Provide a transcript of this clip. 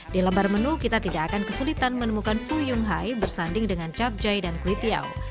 di lembar menu kita tidak akan kesulitan menemukan fuyung hai bersanding dengan cap jai dan kuih tiao